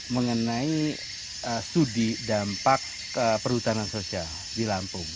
mengenai studi dampak perhutanan sosial di lampung